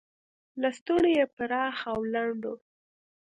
لستوڼي یې پراخ او لنډ و.